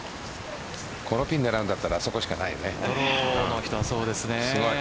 このピンを狙うんだったらあそこしかないよね。